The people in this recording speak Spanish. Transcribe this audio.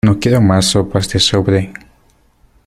No quiero más sopas de sobre.